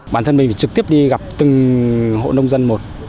bản thân mình phải trực tiếp đi gặp từng hộ nông dân một